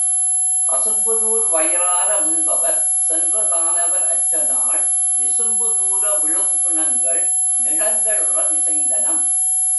அசும்புதூர்வயி றாரமுன்பவர் செற்றதானவர் அற்றநாள் விசும்புதூர விழும்பிணங்கள் நிணங்களுற மிசைந்தனம்.